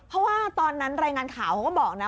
เพราะว่าตอนนั้นรายงานข่าวเขาก็บอกนะ